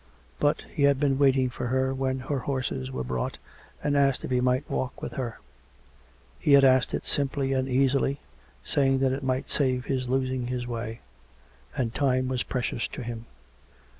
But he had been waiting for her when her horses were brought, and asked if he might walk with her; he had asked it simply and easily, saying that it might save his losing his way, and time was precious to him.